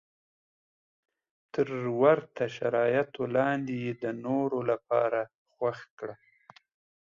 تر ورته شرایطو لاندې یې د نورو لپاره خوښ کړه.